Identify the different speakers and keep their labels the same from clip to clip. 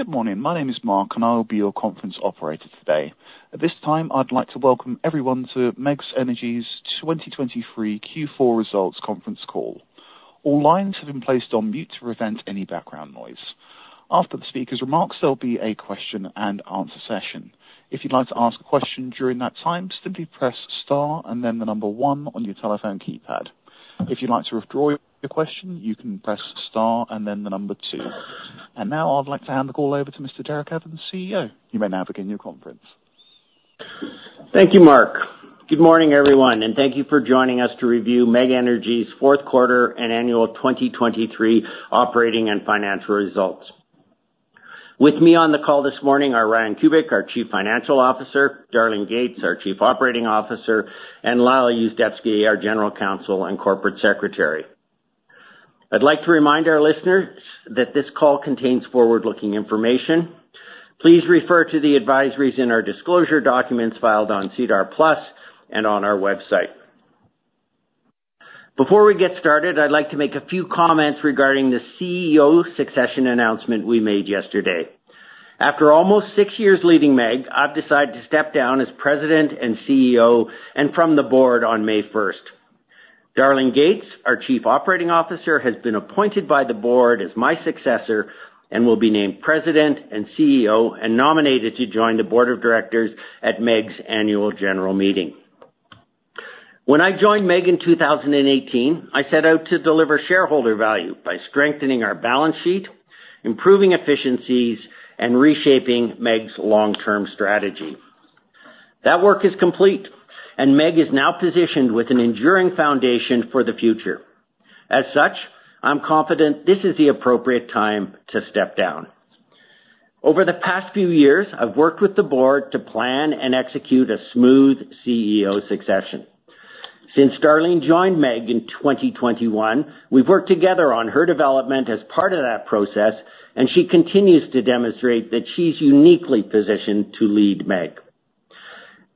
Speaker 1: Good morning. My name is Mark, and I will be your conference operator today. At this time, I'd like to welcome everyone to MEG Energy's 2023 Q4 Results Conference Call. All lines have been placed on mute to prevent any background noise. After the speaker's remarks, there'll be a Q&A session. If you'd like to ask a question during that time, simply press star and then the number one on your telephone keypad. If you'd like to withdraw your question, you can press star and then the number two. And now I'd like to hand the call over to Mr. Derek Evans, CEO. You may now begin your conference.
Speaker 2: Thank you, Mark. Good morning, everyone, and thank you for joining us to review MEG Energy's fourth quarter and annual 2023 operating and financial results. With me on the call this morning are Ryan Kubik, our Chief Financial Officer, Darlene Gates, our Chief Operating Officer, and Lyle Yuzdepski, our General Counsel and Corporate Secretary. I'd like to remind our listeners that this call contains forward-looking information. Please refer to the advisories in our disclosure documents filed on SEDAR+ and on our website. Before we get started, I'd like to make a few comments regarding the CEO succession announcement we made yesterday. After almost six years leading MEG, I've decided to step down as President and CEO and from the board on May 1st. Darlene Gates, our Chief Operating Officer, has been appointed by the board as my successor and will be named President and CEO and nominated to join the board of directors at MEG's Annual General Meeting. When I joined MEG in 2018, I set out to deliver shareholder value by strengthening our balance sheet, improving efficiencies, and reshaping MEG's long-term strategy. That work is complete, and MEG is now positioned with an enduring foundation for the future. As such, I'm confident this is the appropriate time to step down. Over the past few years, I've worked with the board to plan and execute a smooth CEO succession. Since Darlene joined MEG in 2021, we've worked together on her development as part of that process, and she continues to demonstrate that she's uniquely positioned to lead MEG.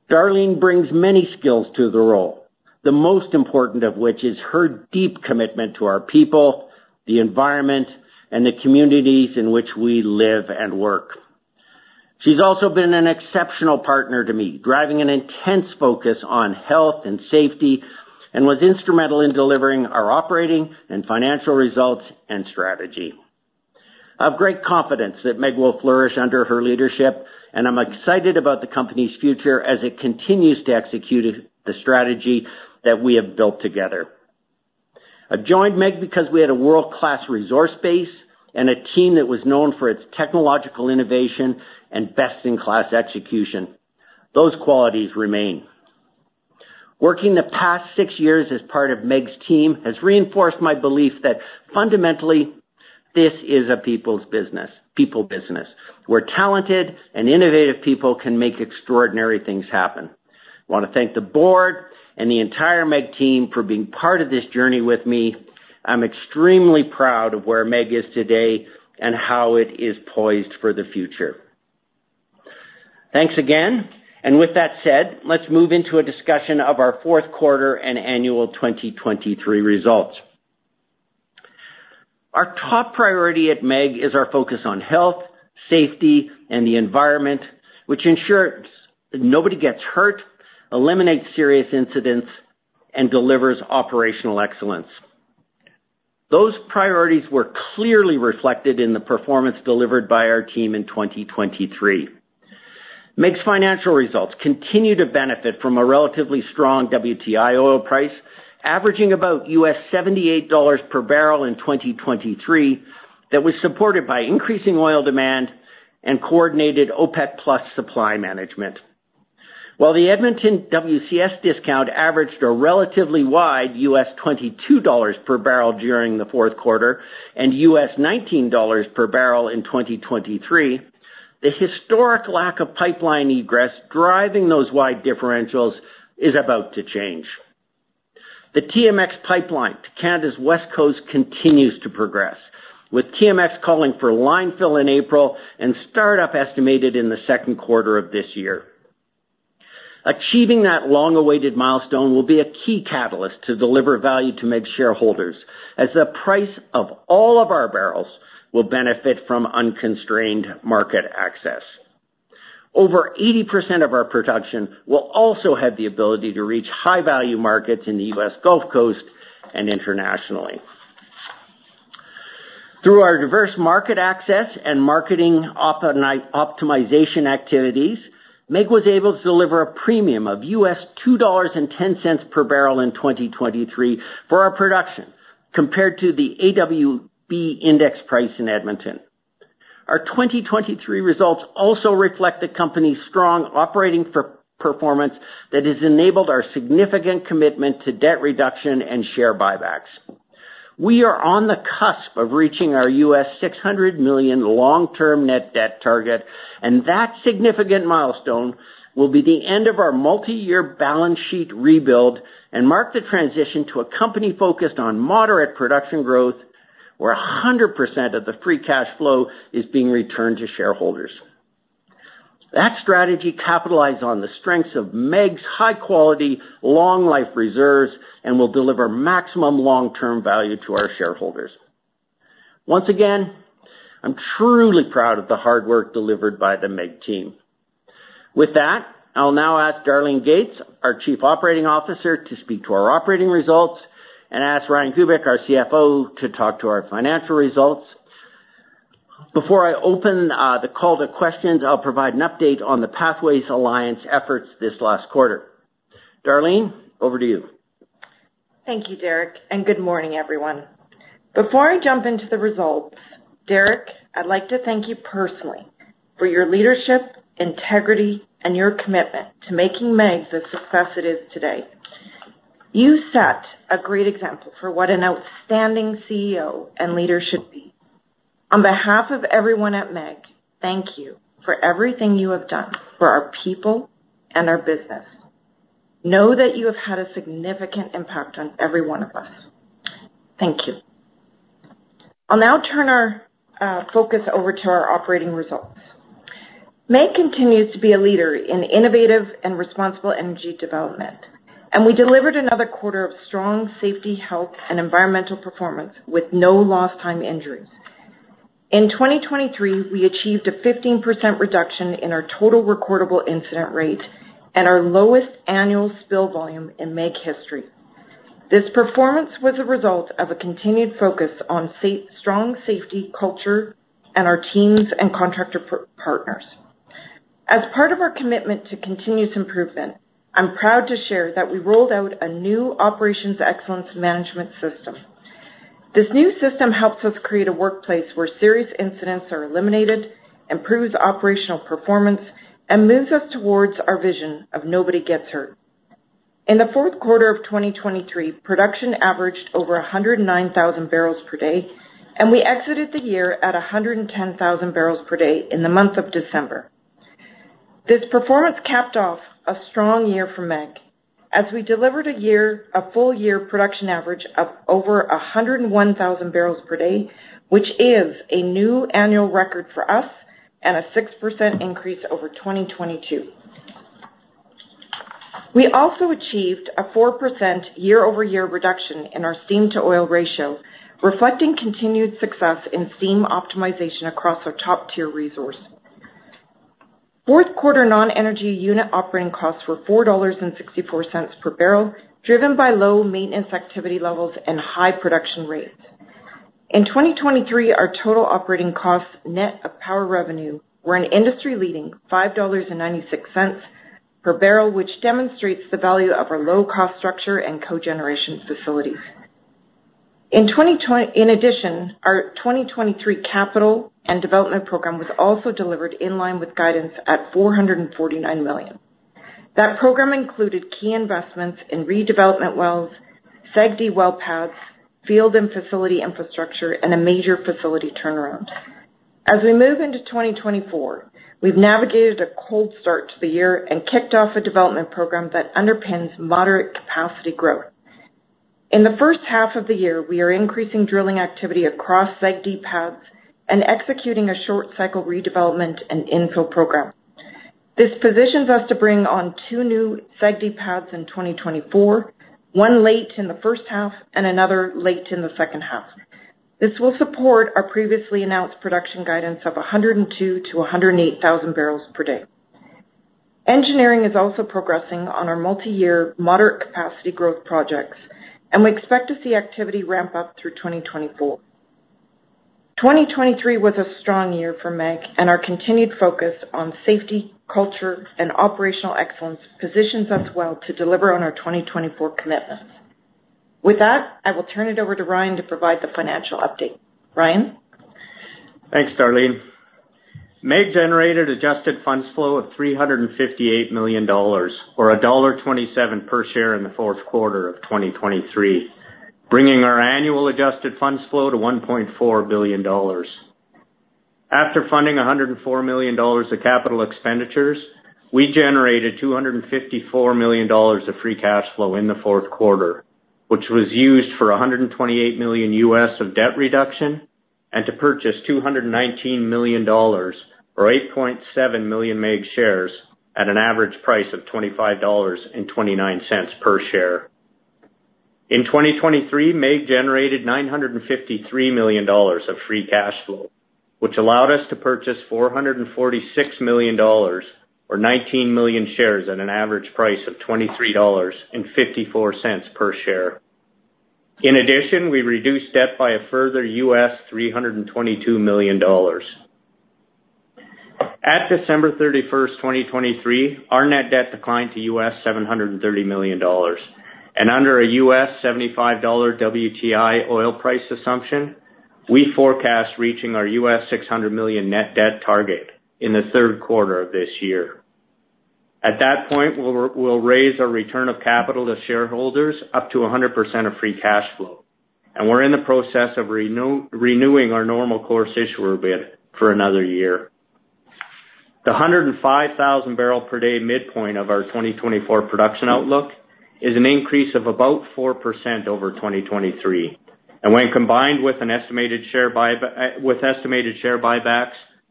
Speaker 2: Darlene brings many skills to the role, the most important of which is her deep commitment to our people, the environment, and the communities in which we live and work. She's also been an exceptional partner to me, driving an intense focus on health and safety, and was instrumental in delivering our operating and financial results and strategy. I have great confidence that MEG will flourish under her leadership, and I'm excited about the company's future as it continues to execute the strategy that we have built together. I joined MEG because we had a world-class resource base and a team that was known for its technological innovation and best-in-class execution. Those qualities remain. Working the past six years as part of MEG's team has reinforced my belief that fundamentally, this is a people's business, where talented and innovative people can make extraordinary things happen. I want to thank the board and the entire MEG team for being part of this journey with me. I'm extremely proud of where MEG is today and how it is poised for the future. Thanks again, and with that said, let's move into a discussion of our fourth quarter and annual 2023 results. Our top priority at MEG is our focus on health, safety, and the environment, which ensures that nobody gets hurt, eliminates serious incidents, and delivers operational excellence. Those priorities were clearly reflected in the performance delivered by our team in 2023. MEG's financial results continue to benefit from a relatively strong WTI oil price, averaging about $78 per barrel in 2023, that was supported by increasing oil demand and coordinated OPEC+ supply management. While the Edmonton WCS discount averaged a relatively wide $22 per barrel during the fourth quarter and $19 per barrel in 2023, the historic lack of pipeline egress driving those wide differentials is about to change. The TMX pipeline to Canada's West Coast continues to progress, with TMX calling for line fill in April and startup estimated in the second quarter of this year. Achieving that long-awaited milestone will be a key catalyst to deliver value to MEG shareholders, as the price of all of our barrels will benefit from unconstrained market access. Over 80% of our production will also have the ability to reach high-value markets in the US Gulf Coast and internationally. Through our diverse market access and marketing optimization activities, MEG was able to deliver a premium of $2.10 per barrel in 2023 for our production, compared to the AWB index price in Edmonton. Our 2023 results also reflect the company's strong operating performance that has enabled our significant commitment to debt reduction and share buybacks. We are on the cusp of reaching our $600 million long-term net debt target, and that significant milestone will be the end of our multi-year balance sheet rebuild and mark the transition to a company focused on moderate production growth, where 100% of the free cash flow is being returned to shareholders. That strategy capitalized on the strengths of MEG's high-quality, long-life reserves and will deliver maximum long-term value to our shareholders. Once again, I'm truly proud of the hard work delivered by the MEG team. With that, I'll now ask Darlene Gates, our Chief Operating Officer, to speak to our operating results and ask Ryan Kubik, our CFO, to talk to our financial results. Before I open, the call to questions, I'll provide an update on the Pathways Alliance efforts this last quarter. Darlene, over to you.
Speaker 3: Thank you, Derek, and good morning, everyone. Before I jump into the results, Derek, I'd like to thank you personally for your leadership, integrity, and your commitment to making MEG the success it is today. You set a great example for what an outstanding CEO and leader should be. On behalf of everyone at MEG, thank you for everything you have done for our people and our business. Know that you have had a significant impact on every one of us. Thank you. I'll now turn our focus over to our operating results. MEG continues to be a leader in innovative and responsible energy development, and we delivered another quarter of strong safety, health, and environmental performance with no lost time injuries. In 2023, we achieved a 15% reduction in our total recordable incident rate and our lowest annual spill volume in MEG history. This performance was a result of a continued focus on strong safety culture and our teams and contractor partners. As part of our commitment to continuous improvement, I'm proud to share that we rolled out a new Operations Excellence Management System. This new system helps us create a workplace where serious incidents are eliminated, improves operational performance, and moves us towards our vision of nobody gets hurt. In the fourth quarter of 2023, production averaged over 109,000 barrels per day, and we exited the year at 110,000 barrels per day in the month of December. This performance capped off a strong year for MEG as we delivered a full year production average of over 101,000 barrels per day, which is a new annual record for us and a 6% increase over 2022. We also achieved a 4% year-over-year reduction in our steam-to-oil ratio, reflecting continued success in steam optimization across our top-tier resource. Fourth quarter non-energy unit operating costs were $4.64 per barrel, driven by low maintenance activity levels and high production rates. In 2023, our total operating costs, net of power revenue, were an industry-leading $5.96 per barrel, which demonstrates the value of our low-cost structure and cogeneration facilities. In addition, our 2023 capital and development program was also delivered in line with guidance at $449 million. That program included key investments in redevelopment wells, SAGD well pads, field and facility infrastructure, and a major facility turnaround. As we move into 2024, we've navigated a cold start to the year and kicked off a development program that underpins moderate capacity growth. In the first half of the year, we are increasing drilling activity across SAGD pads and executing a short cycle redevelopment and infill program. This positions us to bring on two new SAGD pads in 2024, one late in the first half and another late in the second half. This will support our previously announced production guidance of 102-108 thousand barrels per day. Engineering is also progressing on our multiyear moderate capacity growth projects, and we expect to see activity ramp up through 2024. 2023 was a strong year for MEG, and our continued focus on safety, culture, and operational excellence positions us well to deliver on our 2024 commitments. With that, I will turn it over to Ryan to provide the financial update. Ryan?
Speaker 4: Thanks, Darlene. MEG generated adjusted funds flow of 358 million dollars or $1.27 per share in the fourth quarter of 2023, bringing our annual adjusted funds flow to 1.4 billion dollars. After funding 104 million dollars of capital expenditures, we generated 254 million dollars of free cash flow in the fourth quarter, which was used for $128 million of debt reduction and to purchase 219 million dollars, or 8.7 million MEG shares, at an average price of $25.29 per share. In 2023, MEG generated 953 million dollars of free cash flow, which allowed us to purchase 446 million dollars, or 19 million shares, at an average price of $23.54 per share. In addition, we reduced debt by a further $322 million. At December 31, 2023, our net debt declined to $730 million, and under a $75 WTI oil price assumption, we forecast reaching our $600 million net debt target in the third quarter of this year. At that point, we'll raise our return of capital to shareholders up to 100% of free cash flow, and we're in the process of renewing our normal course issuer bid for another year. The 105,000 barrel per day midpoint of our 2024 production outlook is an increase of about 4% over 2023.... When combined with estimated share buybacks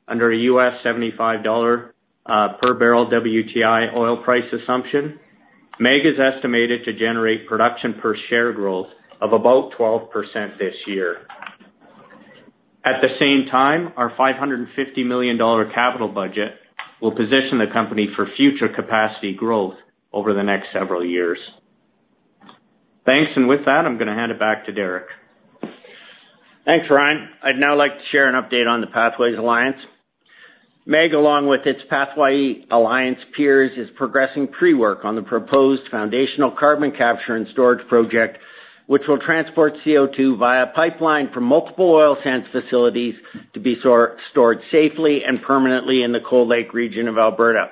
Speaker 4: under a $75 per barrel WTI oil price assumption, MEG is estimated to generate production per share growth of about 12% this year. At the same time, our 550 million dollar capital budget will position the company for future capacity growth over the next several years. Thanks. With that, I'm gonna hand it back to Derek.
Speaker 2: Thanks, Ryan. I'd now like to share an update on the Pathways Alliance. MEG, along with its Pathways Alliance peers, is progressing pre-work on the proposed foundational carbon capture and storage project, which will transport CO2 via pipeline from multiple oil sands facilities to be sourced, stored safely and permanently in the Cold Lake region of Alberta.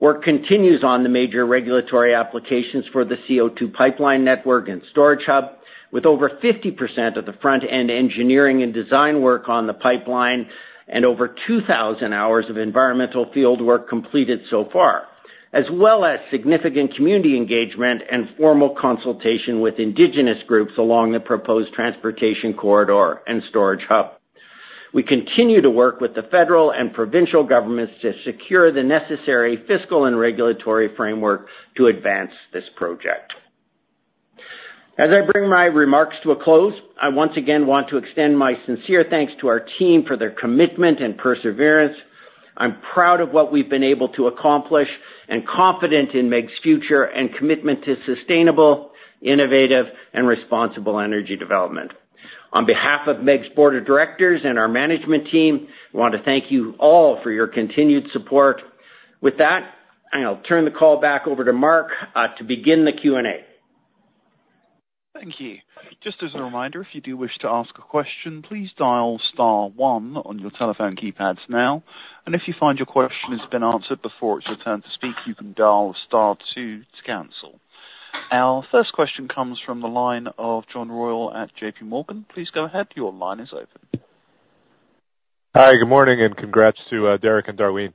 Speaker 2: Work continues on the major regulatory applications for the CO2 pipeline network and storage hub, with over 50% of the front-end engineering and design work on the pipeline and over 2,000 hours of environmental field work completed so far, as well as significant community engagement and formal consultation with indigenous groups along the proposed transportation corridor and storage hub. We continue to work with the federal and provincial governments to secure the necessary fiscal and regulatory framework to advance this project. As I bring my remarks to a close, I once again want to extend my sincere thanks to our team for their commitment and perseverance. I'm proud of what we've been able to accomplish and confident in MEG's future and commitment to sustainable, innovative, and responsible energy development. On behalf of MEG's Board of Directors and our management team, we want to thank you all for your continued support. With that, I'll turn the call back over to Mark to begin the Q&A.
Speaker 1: Thank you. Just as a reminder, if you do wish to ask a question, please dial star one on your telephone keypads now. If you find your question has been answered before it's your turn to speak, you can dial star two to cancel. Our first question comes from the line of John Royall at JP Morgan. Please go ahead. Your line is open.
Speaker 5: Hi, good morning, and congrats to Derek and Darlene.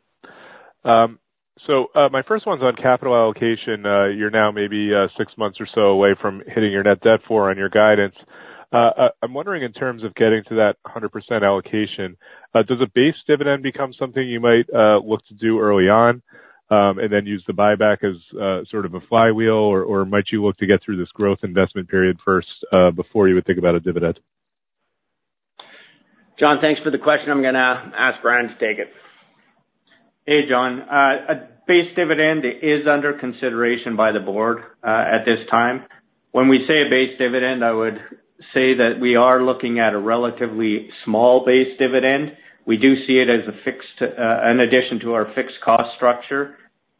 Speaker 5: So, my first one's on capital allocation. You're now maybe six months or so away from hitting your net debt for on your guidance. I'm wondering, in terms of getting to that 100% allocation, does a base dividend become something you might look to do early on, and then use the buyback as sort of a flywheel, or might you look to get through this growth investment period first, before you would think about a dividend?
Speaker 2: John, thanks for the question. I'm gonna ask Ryan to take it.
Speaker 4: Hey, John. A base dividend is under consideration by the board at this time. When we say a base dividend, I would say that we are looking at a relatively small base dividend. We do see it as a fixed, an addition to our fixed cost structure,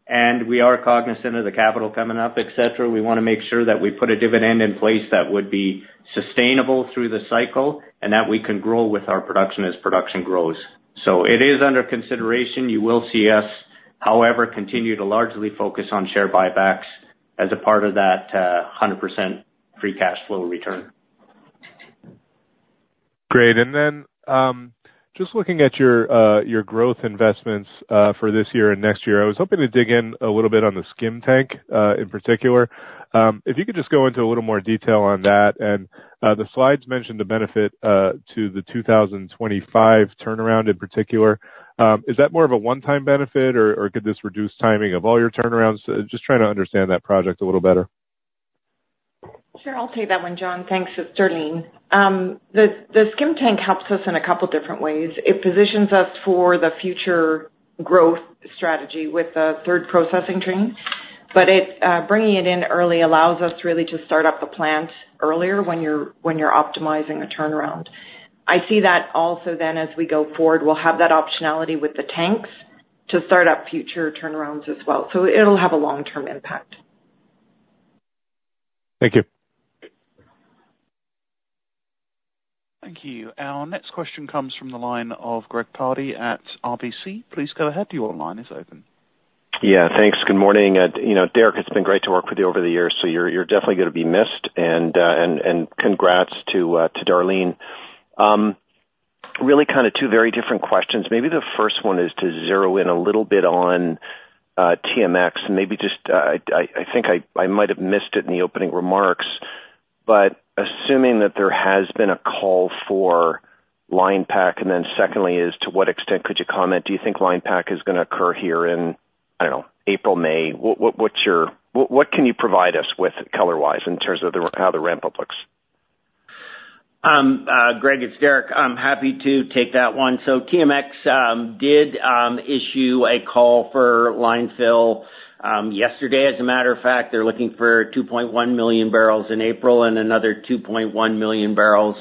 Speaker 4: and we are cognizant of the capital coming up, et cetera. We wanna make sure that we put a dividend in place that would be sustainable through the cycle, and that we can grow with our production as production grows. So it is under consideration. You will see us, however, continue to largely focus on share buybacks as a part of that, 100% free cash flow return.
Speaker 5: Great. And then, just looking at your growth investments for this year and next year, I was hoping to dig in a little bit on the skim tank in particular. If you could just go into a little more detail on that. And, the slides mentioned the benefit to the 2025 turnaround in particular. Is that more of a one-time benefit, or could this reduce timing of all your turnarounds? Just trying to understand that project a little better.
Speaker 3: Sure, I'll take that one, John. Thanks. It's Darlene. The skim tank helps us in a couple different ways. It positions us for the future growth strategy with the third processing train, but bringing it in early allows us really to start up the plant earlier when you're optimizing a turnaround. I see that also then, as we go forward, we'll have that optionality with the tanks to start up future turnarounds as well. So it'll have a long-term impact.
Speaker 5: Thank you.
Speaker 1: Thank you. Our next question comes from the line of Greg Pardy at RBC. Please go ahead. Your line is open.
Speaker 6: Yeah, thanks. Good morning. You know, Derek, it's been great to work with you over the years, so you're definitely gonna be missed. And congrats to Darlene. Really kind of two very different questions. Maybe the first one is to zero in a little bit on TMX. Maybe just, I think I might have missed it in the opening remarks, but assuming that there has been a call for line pack, and then secondly is, to what extent could you comment? Do you think line pack is gonna occur here in, I don't know, April, May? What can you provide us with color-wise in terms of how the ramp-up looks?
Speaker 2: Greg, it's Derek. I'm happy to take that one. So TMX did issue a call for line fill yesterday, as a matter of fact. They're looking for 2.1 million barrels in April and another 2.1 million barrels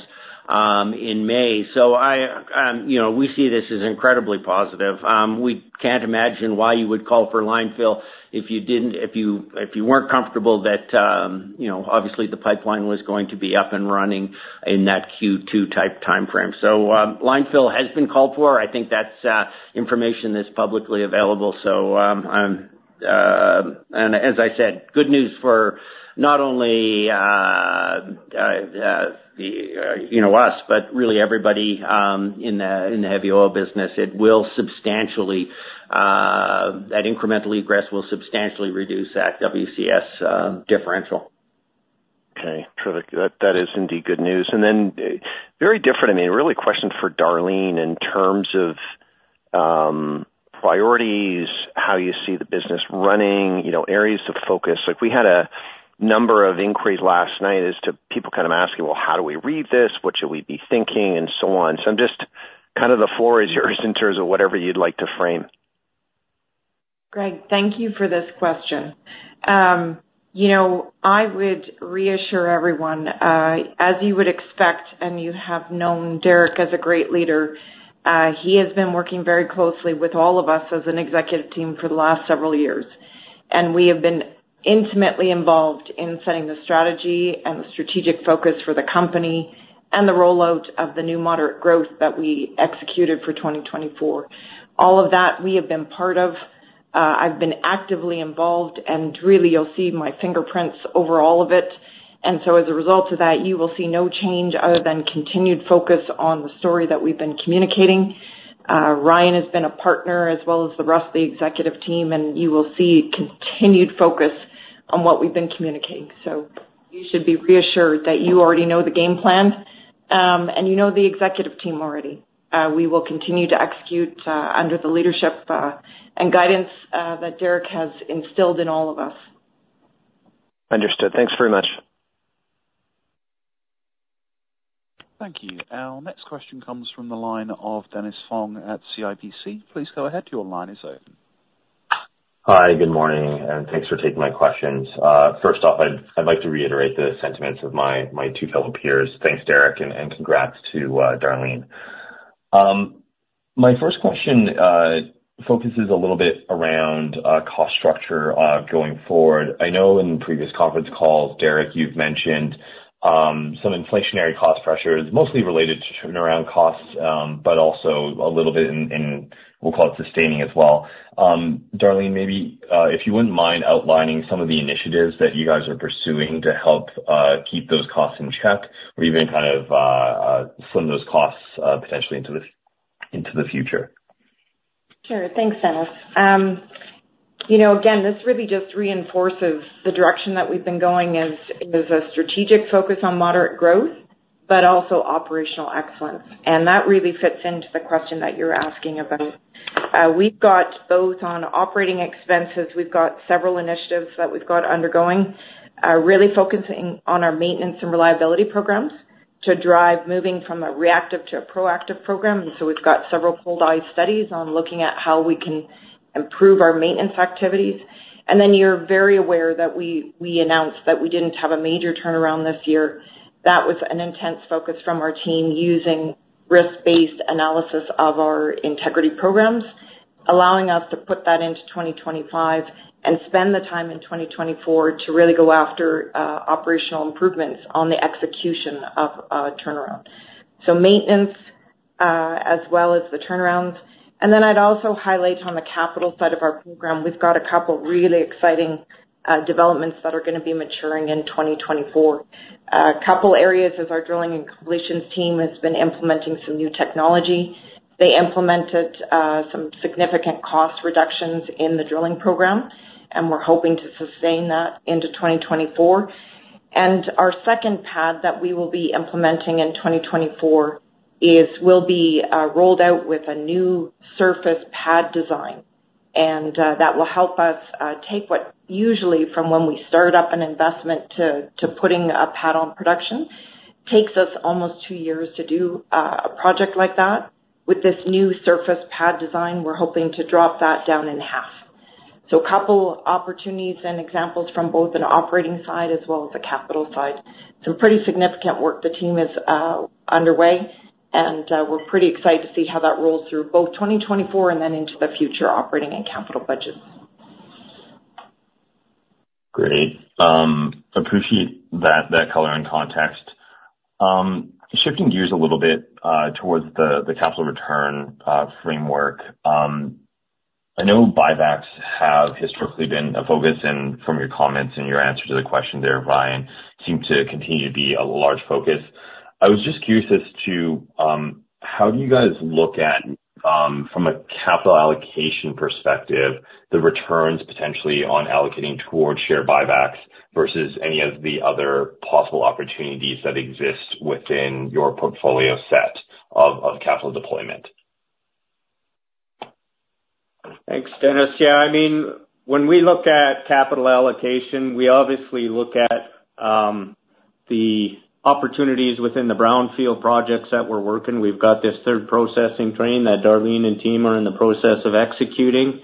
Speaker 2: in May. So I, you know, we see this as incredibly positive. We can't imagine why you would call for line fill if you didn't, if you, if you weren't comfortable that, you know, obviously the pipeline was going to be up and running in that Q2 type timeframe. So, line fill has been called for. I think that's information that's publicly available. As I said, good news for not only, you know, us, but really everybody in the heavy oil business, it will substantially ...that incremental egress will substantially reduce that WCS differential.
Speaker 6: Okay, terrific. That, that is indeed good news. And then, very different, I mean, really a question for Darlene in terms of, priorities, how you see the business running, you know, areas of focus. Like, we had a number of inquiries last night as to people kind of asking: Well, how do we read this? What should we be thinking? And so on. So I'm just kind of the floor is yours in terms of whatever you'd like to frame.
Speaker 3: Greg, thank you for this question. You know, I would reassure everyone, as you would expect, and you have known Derek as a great leader, he has been working very closely with all of us as an executive team for the last several years. And we have been intimately involved in setting the strategy and the strategic focus for the company, and the rollout of the new moderate growth that we executed for 2024. All of that, we have been part of, I've been actively involved, and really, you'll see my fingerprints over all of it. And so as a result of that, you will see no change other than continued focus on the story that we've been communicating. Ryan has been a partner as well as the rest of the executive team, and you will see continued focus on what we've been communicating. So you should be reassured that you already know the game plan, and you know the executive team already. We will continue to execute under the leadership and guidance that Derek has instilled in all of us.
Speaker 6: Understood. Thanks very much.
Speaker 1: Thank you. Our next question comes from the line of Dennis Fong at CIBC. Please go ahead. Your line is open.
Speaker 7: Hi, good morning, and thanks for taking my questions. First off, I'd like to reiterate the sentiments of my two fellow peers. Thanks, Derek, and congrats to Darlene. My first question focuses a little bit around cost structure going forward. I know in previous conference calls, Derek, you've mentioned some inflationary cost pressures, mostly related to turnaround costs, but also a little bit in what we'll call it, sustaining as well. Darlene, maybe if you wouldn't mind outlining some of the initiatives that you guys are pursuing to help keep those costs in check or even kind of slim those costs potentially into the future.
Speaker 3: Sure. Thanks, Dennis. You know, again, this really just reinforces the direction that we've been going as a strategic focus on moderate growth, but also operational excellence, and that really fits into the question that you're asking about. We've got both on operating expenses, we've got several initiatives that we've got undergoing, really focusing on our maintenance and reliability programs to drive moving from a reactive to a proactive program. And so we've got several pilot studies on looking at how we can improve our maintenance activities. And then you're very aware that we announced that we didn't have a major turnaround this year. That was an intense focus from our team using risk-based analysis of our integrity programs, allowing us to put that into 2025 and spend the time in 2024 to really go after operational improvements on the execution of turnaround. So maintenance, as well as the turnarounds. And then I'd also highlight on the capital side of our program, we've got a couple really exciting developments that are gonna be maturing in 2024. A couple areas is our drilling and completions team has been implementing some new technology. They implemented some significant cost reductions in the drilling program, and we're hoping to sustain that into 2024. And our second pad that we will be implementing in 2024 will be rolled out with a new surface pad design. That will help us take what usually from when we start up an investment to putting a pad on production takes us almost two years to do a project like that. With this new surface pad design, we're hoping to drop that down in half. So a couple opportunities and examples from both an operating side as well as the capital side. Some pretty significant work the team is underway, and we're pretty excited to see how that rolls through both 2024 and then into the future operating and capital budgets.
Speaker 7: Great. Appreciate that, that color and context. Shifting gears a little bit towards the capital return framework. I know buybacks have historically been a focus, and from your comments and your answer to the question there, Ryan, seem to continue to be a large focus. I was just curious as to how do you guys look at from a capital allocation perspective, the returns potentially on allocating towards share buybacks versus any of the other possible opportunities that exist within your portfolio set of capital deployment?
Speaker 4: Thanks, Dennis. Yeah, I mean, when we look at capital allocation, we obviously look at the opportunities within the brownfield projects that we're working. We've got this third processing train that Darlene and team are in the process of executing.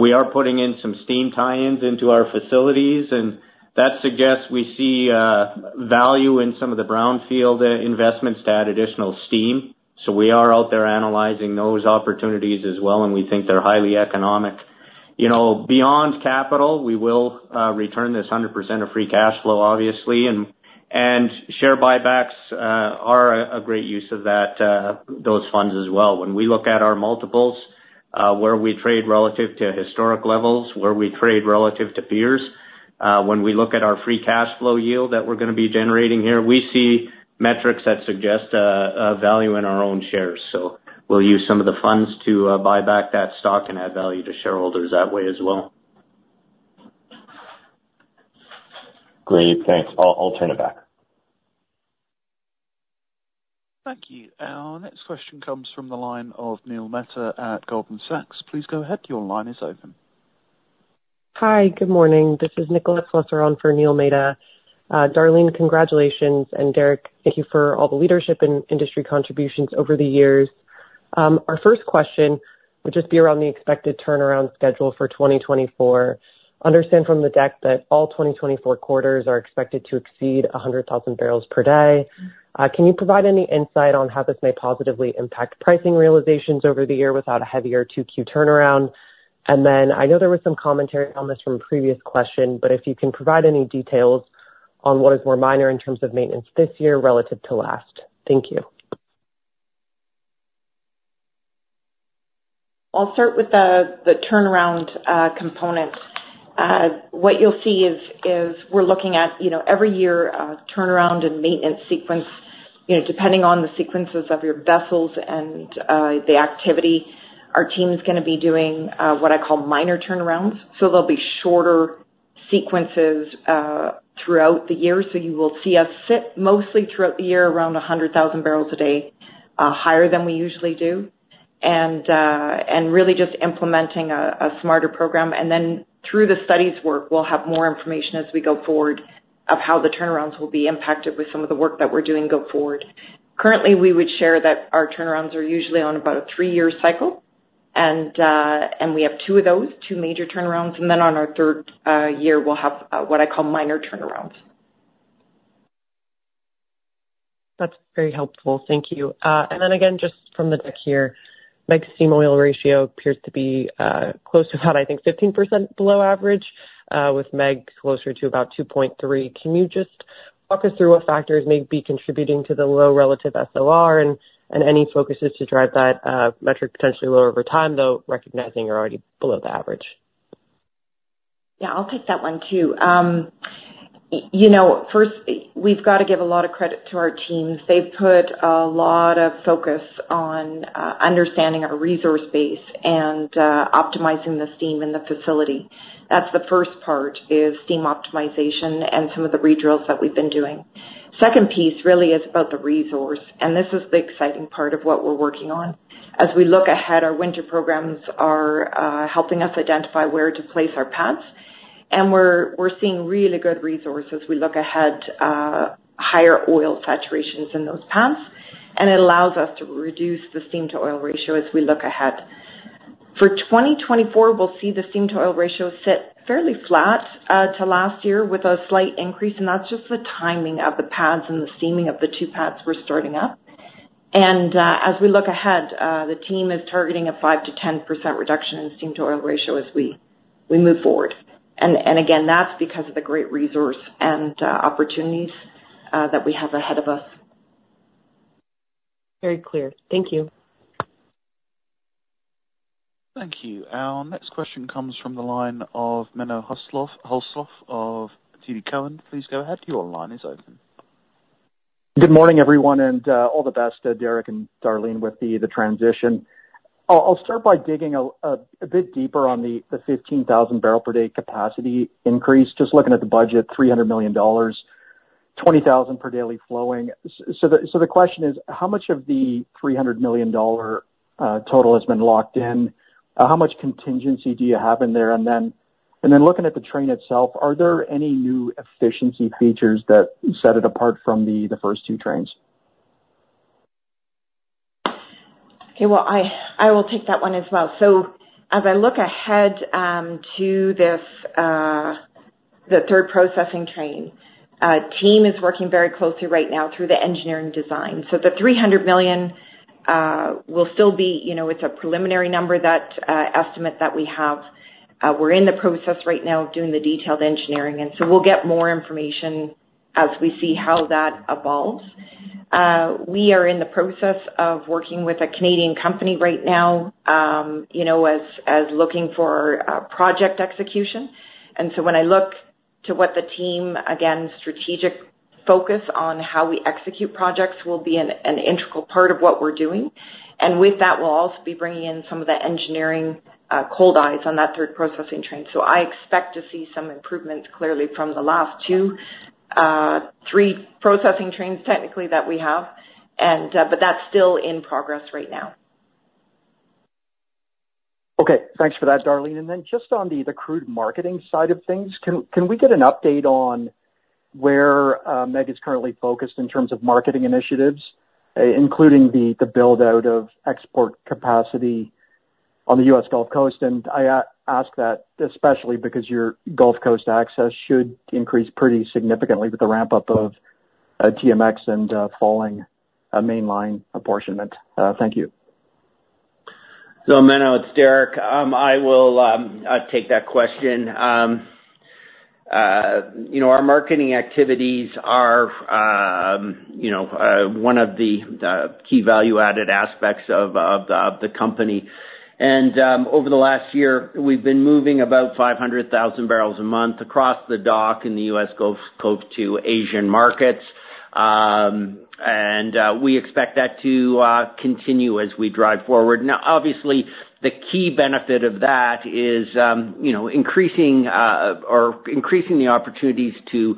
Speaker 4: We are putting in some steam tie-ins into our facilities, and that suggests we see value in some of the brownfield investments to add additional steam. So we are out there analyzing those opportunities as well, and we think they're highly economic. You know, beyond capital, we will return this 100% of free cash flow, obviously, and share buybacks are a great use of those funds as well. When we look at our multiples, where we trade relative to historic levels, where we trade relative to peers. When we look at our free cash flow yield that we're gonna be generating here, we see metrics that suggest a value in our own shares. So we'll use some of the funds to buy back that stock and add value to shareholders that way as well.
Speaker 7: Great, thanks. I'll turn it back.
Speaker 1: Thank you. Our next question comes from the line of Neil Mehta at Goldman Sachs. Please go ahead. Your line is open.
Speaker 8: Hi, good morning. This is Nicolette Slusser for Neil Mehta. Darlene, congratulations, and Derek, thank you for all the leadership and industry contributions over the years. Our first question would just be around the expected turnaround schedule for 2024. Understand from the deck that all 2024 quarters are expected to exceed 100,000 barrels per day. Can you provide any insight on how this may positively impact pricing realizations over the year without a heavier 2Q turnaround? And then I know there was some commentary on this from a previous question, but if you can provide any details on what is more minor in terms of maintenance this year relative to last. Thank you.
Speaker 3: I'll start with the turnaround component. What you'll see is we're looking at, you know, every year, turnaround and maintenance sequence. You know, depending on the sequences of your vessels and the activity, our team is gonna be doing what I call minor turnarounds. So they'll be shorter sequences throughout the year. So you will see us sit mostly throughout the year, around 100,000 barrels a day, higher than we usually do, and really just implementing a smarter program. And then through the studies work, we'll have more information as we go forward of how the turnarounds will be impacted with some of the work that we're doing go forward. Currently, we would share that our turnarounds are usually on about a three-year cycle, and we have two of those, two major turnarounds. And then on our third year, we'll have what I call minor turnarounds.
Speaker 8: That's very helpful. Thank you. And then again, just from the deck here, MEG steam oil ratio appears to be close to about, I think, 15% below average, with MEG closer to about 2.3. Can you just walk us through what factors may be contributing to the low relative SOR and any focuses to drive that metric potentially lower over time, though recognizing you're already below the average?
Speaker 3: Yeah, I'll take that one too. You know, first, we've got to give a lot of credit to our teams. They've put a lot of focus on understanding our resource base and optimizing the steam in the facility. That's the first part is steam optimization and some of the redrills that we've been doing. Second piece really is about the resource, and this is the exciting part of what we're working on. As we look ahead, our winter programs are helping us identify where to place our pads, and we're seeing really good resources. We look ahead, higher oil saturations in those pads, and it allows us to reduce the steam-to-oil ratio as we look ahead. For 2024, we'll see the steam-to-oil ratio sit fairly flat to last year, with a slight increase, and that's just the timing of the pads and the steaming of the two pads we're starting up. As we look ahead, the team is targeting a 5%-10% reduction in steam-to-oil ratio as we move forward. And again, that's because of the great resource and opportunities that we have ahead of us.
Speaker 8: Very clear. Thank you.
Speaker 1: Thank you. Our next question comes from the line of Menno Hulshof of TD Cowen. Please go ahead. Your line is open.
Speaker 9: Good morning, everyone, and all the best, Derek and Darlene, with the transition. I'll start by digging a bit deeper on the 15,000 barrel per day capacity increase. Just looking at the budget, 300 million dollars, 20,000 per daily flowing. So the question is, how much of the 300 million dollar total has been locked in? How much contingency do you have in there? And then looking at the train itself, are there any new efficiency features that set it apart from the first two trains?
Speaker 3: Okay, well, I will take that one as well. So as I look ahead to this, the third processing train, team is working very closely right now through the engineering design. So the 300 million will still be... You know, it's a preliminary number, that estimate that we have. We're in the process right now of doing the detailed engineering, and so we'll get more information as we see how that evolves. We are in the process of working with a Canadian company right now, you know, as looking for project execution. And so when I look to what the team, again, strategic focus on how we execute projects will be an integral part of what we're doing. And with that, we'll also be bringing in some of the engineering, cold eyes on that third processing train. So I expect to see some improvements clearly from the last two, three processing trains, technically, that we have. And, but that's still in progress right now.
Speaker 9: Okay, thanks for that, Darlene. And then just on the crude marketing side of things, can we get an update on where MEG is currently focused in terms of marketing initiatives, including the build-out of export capacity on the US Gulf Coast? And I ask that especially because your Gulf Coast access should increase pretty significantly with the ramp-up of TMX and falling mainline apportionment. Thank you.
Speaker 4: So Menno, it's Derek. I will take that question. You know, our marketing activities are, you know, one of the key value-added aspects of the company.
Speaker 2: Over the last year, we've been moving about 500,000 barrels a month across the dock in the US Gulf Coast to Asian markets. We expect that to continue as we drive forward. Now, obviously, the key benefit of that is, you know, increasing the opportunities to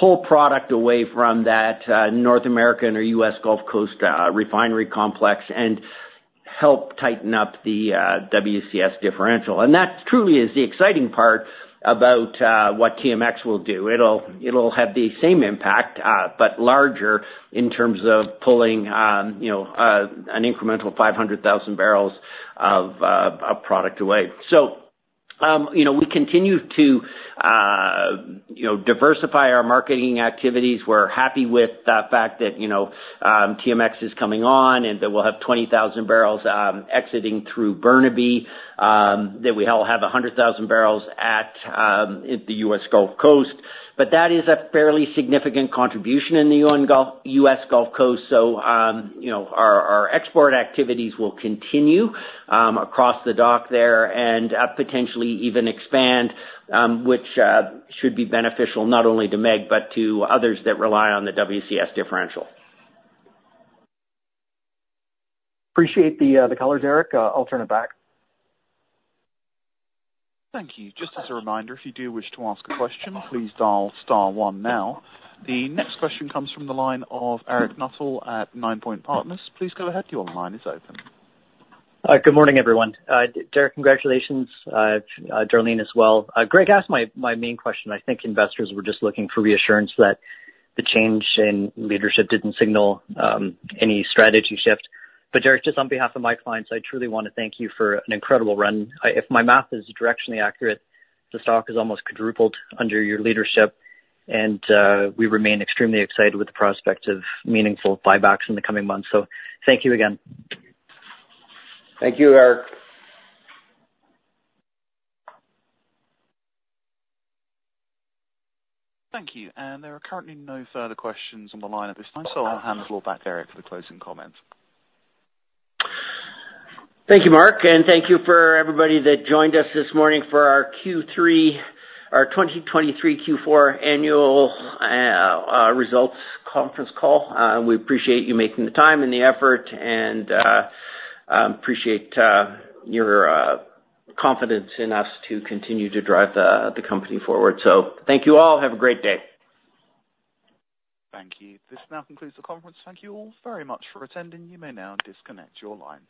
Speaker 2: pull product away from that North American or US Gulf Coast refinery complex and help tighten up the WCS differential. And that truly is the exciting part about what TMX will do. It'll have the same impact but larger in terms of pulling, you know, an incremental 500,000 barrels of product away. So, you know, we continue to, you know, diversify our marketing activities. We're happy with the fact that, you know, TMX is coming on, and that we'll have 20,000 barrels exiting through Burnaby, that we have 100,000 barrels at the US Gulf Coast. But that is a fairly significant contribution in the US Gulf Coast. So, you know, our, our export activities will continue across the dock there and potentially even expand, which should be beneficial not only to MEG, but to others that rely on the WCS differential.
Speaker 9: Appreciate the colors, Eric. I'll turn it back.
Speaker 1: Thank you. Just as a reminder, if you do wish to ask a question, please dial star one now. The next question comes from the line of Eric Nuttall at Ninepoint Partners. Please go ahead. Your line is open.
Speaker 10: Good morning, everyone. Derek, congratulations, Darlene, as well. Greg asked my main question. I think investors were just looking for reassurance that the change in leadership didn't signal any strategy shift. But Derek, just on behalf of my clients, I truly want to thank you for an incredible run. If my math is directionally accurate, the stock has almost quadrupled under your leadership, and we remain extremely excited with the prospect of meaningful buybacks in the coming months. So thank you again.
Speaker 2: Thank you, Eric.
Speaker 1: Thank you. There are currently no further questions on the line at this time, so I'll hand the floor back to Derek for the closing comments.
Speaker 2: Thank you, Mark, and thank you for everybody that joined us this morning for our Q3, our 2023 Q4 annual results conference call. We appreciate you making the time and the effort, and appreciate your confidence in us to continue to drive the company forward. So thank you all. Have a great day.
Speaker 1: Thank you. This now concludes the conference. Thank you all very much for attending. You may now disconnect your lines.